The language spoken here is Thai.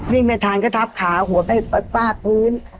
วิ่งแม่ทางก็ทับขาหัวไปป้าดพื้น